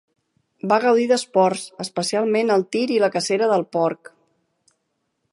Va gaudir d'esports, especialment el tir i la cacera del porc.